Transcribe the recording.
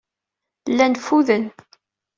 Llan ffuden.